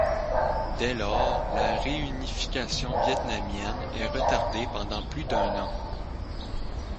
Dès lors, la réunification vietnamienne est retardée pendant plus d'un an.